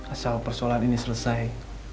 asal persoalan ini selesai